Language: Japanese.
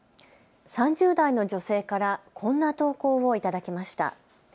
３０代の女性からこんな投稿を頂きました。